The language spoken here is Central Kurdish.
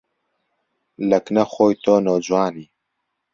لە کنە خۆی تۆ نۆجوانی